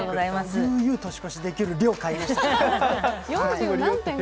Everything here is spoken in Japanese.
悠々年越しできる量、買いました。